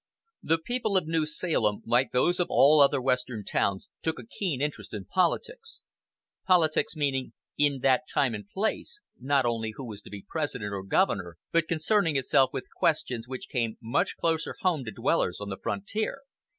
The people of New Salem, like those of all other Western towns, took a keen interest in politics; "politics" meaning, in that time and place, not only who was to be President or governor, but concerning itself with questions which came much closer home to dwellers on the frontier.